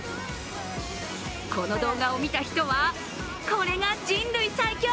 この動画を見た人はこれが人類最強！